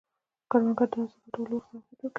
کروندګر د حاصل راټولولو وخت ته اهمیت ورکوي